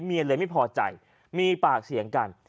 เลยไม่พอใจมีปากเสียงกัน